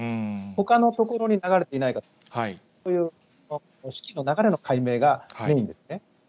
ほかのところに流れていないかという、資金の流れの解明がメイン